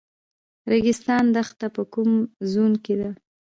ریګستان دښته په کوم زون کې ده؟